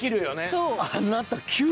そう。